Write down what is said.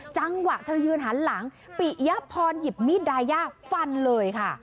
จังหวะเธอยืนหันหลังปิยพรหยิบมีดดายาฟันเลยค่ะ